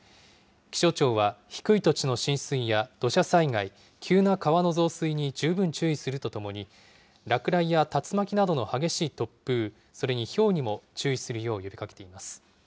気象庁は低い土地の浸水や土砂災害、急な川の増水に十分注意するとともに、落雷や竜巻などの激しい突風、それにひょうにも注意するよう呼びかけています。